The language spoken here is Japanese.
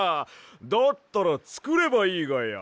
だったらつくればいいがや。